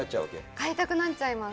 買いたくなっちゃいます。